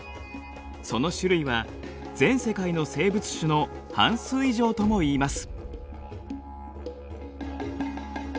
その種類は全世界の生物種の半数以上ともいいます。